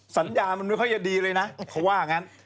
สัญญามันไม่ค่อยจะดีเลยนะเขาว่างั้น